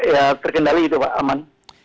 ya terkendali itu pak aman